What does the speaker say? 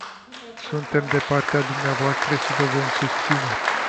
Suntem de partea dumneavoastră și vă vom susține.